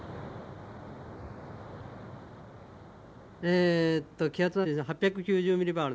えっと気圧は８９０ミリバール。